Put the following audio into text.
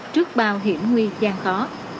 trước bao hiểm nguy gian khó